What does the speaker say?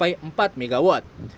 kebutuhan listrik mencapai empat mw